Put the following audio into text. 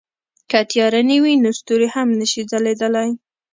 که تیاره نه وي نو ستوري هم نه شي ځلېدلی.